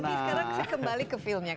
tapi sekarang saya kembali ke filmnya